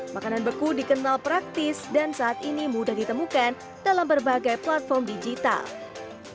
makanan beku dikenal praktis dan saat ini mudah ditemukan dalam berbagai platform digital